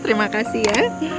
terima kasih ya